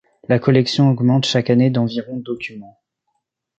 La collection augmente chaque année d’environ documents.